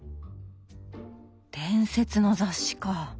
伝説の雑誌か。